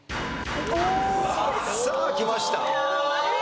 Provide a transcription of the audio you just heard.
さあきました。